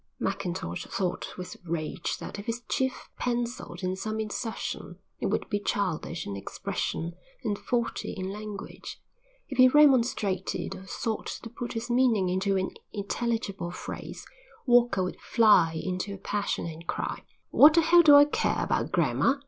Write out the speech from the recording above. Mackintosh thought with rage that if his chief pencilled in some insertion it would be childish in expression and faulty in language. If he remonstrated or sought to put his meaning into an intelligible phrase, Walker would fly into a passion and cry: "What the hell do I care about grammar?